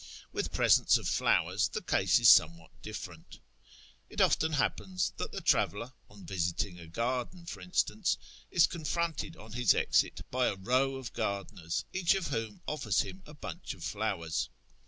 With presents of flowers the case is somewhat different. It often happens that the traveller, on visiting a garden, for instance, is confronted on his exit by a row of gardeners, each of wliom offers him a bunch of flowers.